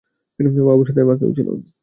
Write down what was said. বাবুর সাথে বাঁকেও ছিল।